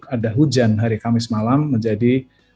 ada hujan hari kamis malam menjadi